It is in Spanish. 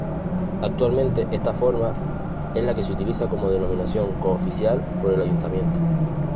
Actualmente esta forma es la que se utiliza como denominación cooficial por el ayuntamiento.